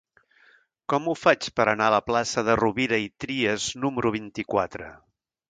Com ho faig per anar a la plaça de Rovira i Trias número vint-i-quatre?